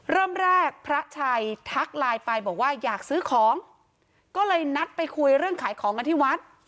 เริ่มแรกพระชัยทักไลน์ไปบอกว่าอยากซื้อของก็เลยนัดไปคุยเรื่องขายของกันที่วัด